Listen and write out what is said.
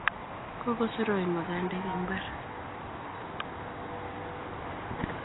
Kokosoroen magandek eng' mbar